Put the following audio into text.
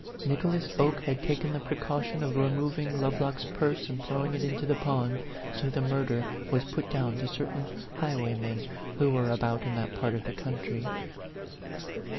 Nicholas Oke had taken the precaution of removing Lovelock's purse and throwing it into the pond, so the mur der was put down to certain highwaymen who were about in that part of the country.